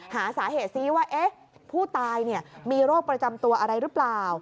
หาสาเหตุซิว่าผู้ตายมีโรคประจำตัวอะไรหรือเปล่า